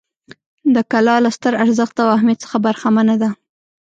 دا کلا له ستر ارزښت او اهمیت څخه برخمنه ده.